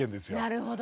なるほど。